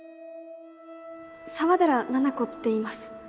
沢寺菜々子っていいます